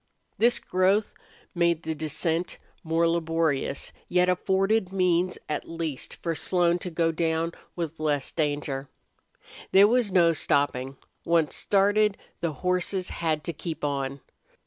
This growth made the descent more laborious, yet afforded means at least for Slone to go down with less danger. There was no stopping. Once started, the horses had to keep on.